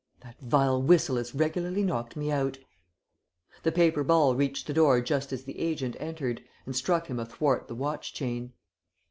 "That vile whistle has regularly knocked me out." The paper ball reached the door just as the agent entered, and struck him athwart the watch chain.